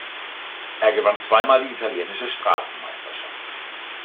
Er gewann zweimal die italienische Straßenmeisterschaft.